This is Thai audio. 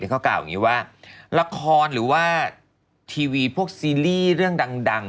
เขากล่าวอย่างนี้ว่าละครหรือว่าทีวีพวกซีรีส์เรื่องดัง